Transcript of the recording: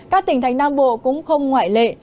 các tỉnh thành nam bộ cũng không ngoại lệ